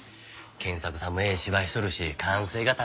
賢作さんもええ芝居しとるし完成が楽しみやなあ。